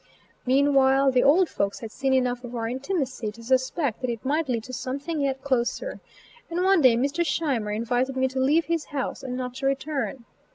Meanwhile, the old folks had seen enough of our intimacy to suspect that it might lead to something yet closer, and one day Mr. Scheimer invited me to leave his house and not to return.